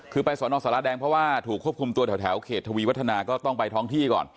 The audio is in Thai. คือไปสอนอสารแดงเพราะว่าถูกควบคุมตัวแถวเขตทวีวัฒนาก็ต้องไปท้องที่ก่อน